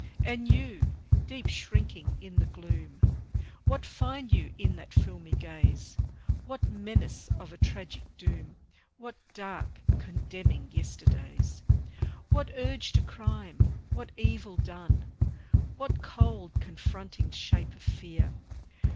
And You, deep shrinking in the gloom, What find you in that filmy gaze? What menace of a tragic doom? What dark, condemning yesterdays? What urge to crime, what evil done? What cold, confronting shape of fear?